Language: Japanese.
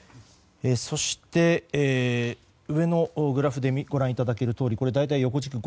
そして上のグラフでご覧いただけるとおり大体、横軸